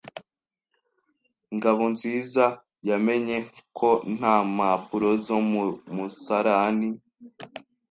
Ngabonziza yamenye ko nta mpapuro zo mu musarani.